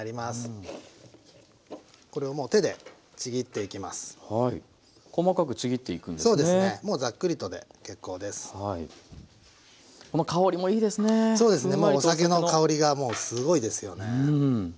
もうお酒の香りがもうすごいですよね。